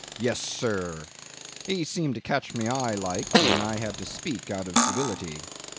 Yes, sir!' He seemed to catch my eye like, and I had to speak out of civility.